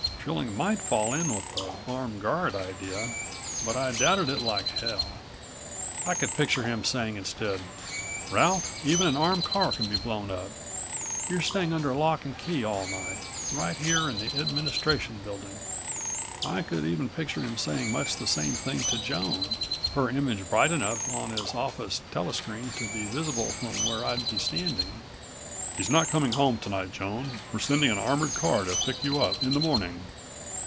Trilling might fall in with the armed guard idea but I doubted it like hell. I could picture him saying instead: "Ralph, even an armed car can be blown up. You're staying under lock and key all night ... right here in the Administration Building." I could even picture him saying much the same thing to Joan, her image bright enough on his office tele screen to be visible from where I'd be standing: "He's not coming home tonight, Joan. We're sending an armored car to pick you up in the morning.